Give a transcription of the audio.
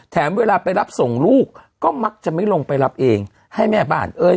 เวลาไปรับส่งลูกก็มักจะไม่ลงไปรับเองให้แม่บ้านเอ้ย